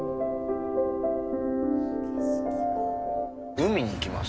海に行きます。